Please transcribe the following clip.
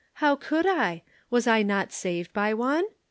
"How could I? Was I not saved by one?